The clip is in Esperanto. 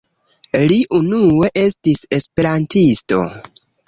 Li unue estis Esperantisto.